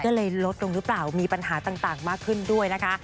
ก็เลยลดลงหรือเปล่ามีปัญหาต่างมากขึ้นด้วยนะคะ